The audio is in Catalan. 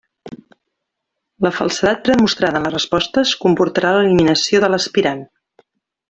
La falsedat demostrada en les respostes comportarà l'eliminació de l'aspirant.